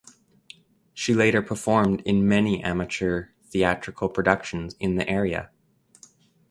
She later performed in many amateur theatrical productions in the area.